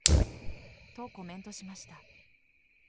と、コメントしました。